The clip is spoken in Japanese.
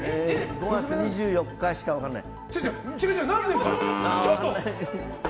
５月２４日しか分からない。